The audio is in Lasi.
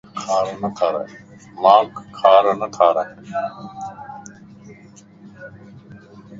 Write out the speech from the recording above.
مانک کار نه ڄارائي